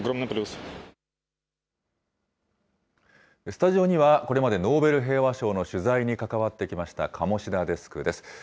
スタジオには、これまでノーベル平和賞の取材に関わってきました鴨志田デスクです。